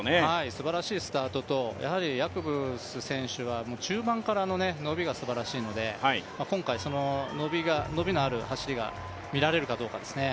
すばらしいスタートとヤコブス選手は中盤からの伸びがすばらしいので今回、伸びのある走りが見られるかどうかですね。